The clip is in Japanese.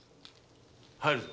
入るぞ。